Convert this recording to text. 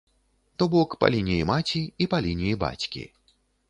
То бок па лініі маці і па лініі бацькі.